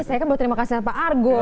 saya kan belum terima kasih pak argo